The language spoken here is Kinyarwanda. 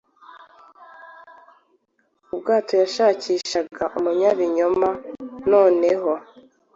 Ubwato yashakishaga umunyabinyoma noneho